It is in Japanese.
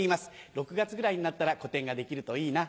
６月ぐらいになったら個展ができるといいな。